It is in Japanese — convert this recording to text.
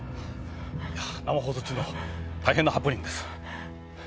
生放送中の大変なハプニングです。